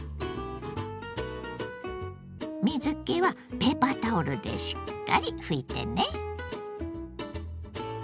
水けはペーパータオルでしっかり拭いてね。